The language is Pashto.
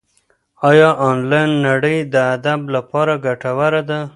ایا انلاین نړۍ د ادب لپاره ګټوره ده؟